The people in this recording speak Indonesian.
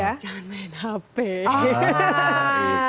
jangan main hp